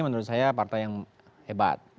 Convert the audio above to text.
menurut saya partai yang hebat